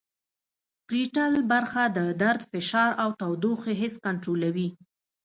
پریټل برخه د درد فشار او تودوخې حس کنترولوي